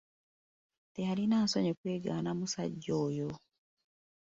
Teyalina nsonyi kweղղanga musajja oyo.